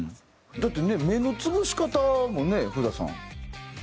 だってね目の潰し方もね古田さん。